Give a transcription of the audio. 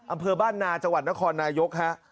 อำเภอบ้านนาจังหวัดนครนายกฮะ